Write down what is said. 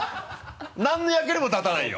何の役にもたたないよ！